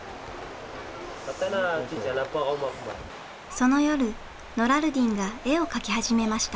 その夜ノラルディンが絵を描き始めました。